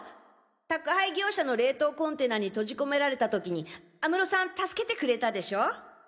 宅配業者の冷凍コンテナに閉じ込められた時に安室さん助けてくれたでしょ？